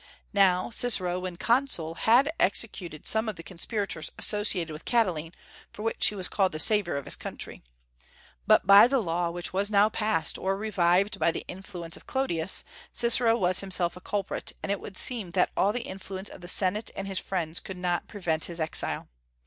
Now Cicero, when consul, had executed some of the conspirators associated with Catiline, for which he was called the savior of his country. But by the law which was now passed or revived by the influence of Clodius, Cicero was himself a culprit, and it would seem that all the influence of the Senate and his friends could not prevent his exile.